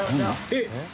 えっ！